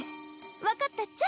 分かったっちゃ。